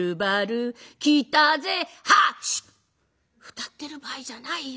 歌ってる場合じゃないよ。